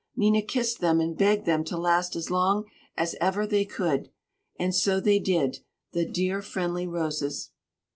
Nina kissed them and begged them to last as long as ever they could! And so they did the dear, friendly roses!